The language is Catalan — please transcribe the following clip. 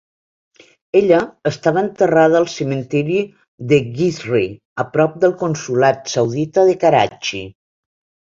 Ella estava enterrada al cementiri de Gizri a prop del consolat saudita de Karachi.